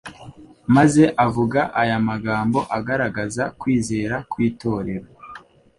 maze avuga aya magambo agaragaza kwizera kw'itorero: